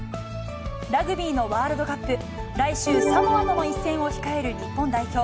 ラグビーのワールドカップ、来週、サモアとの一戦を控える日本代表。